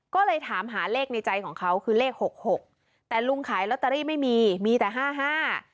ก็เลยถามหาเลขในใจของเขาคือเลขหกหกแต่ลุงขายลอตเตอรี่ไม่มีมีแต่ห้าห้า